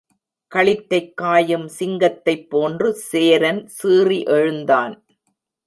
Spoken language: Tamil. களிற்றைக் காயும் சிங்கத்தைப் போன்று சேரன் சீறி எழுந்தான்.